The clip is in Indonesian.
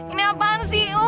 ini apaan sih